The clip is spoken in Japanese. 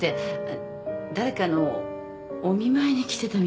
誰かのお見舞いに来てたみたいなの。